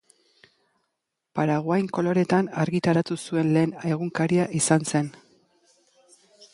Paraguain koloretan argitaratu zuen lehen egunkaria izan zen.